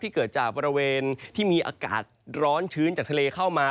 เกิดจากบริเวณที่มีอากาศร้อนชื้นจากทะเลเข้ามา